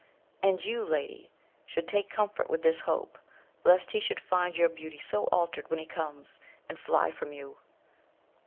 And you, lady, should take comfort with this hope, lest he should find your beauty so altered when he comes, and fly from you.